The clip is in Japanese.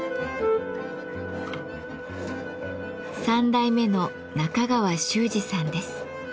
３代目の中川周士さんです。